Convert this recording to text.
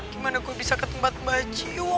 gimana gue bisa ke tempat mbak jiwo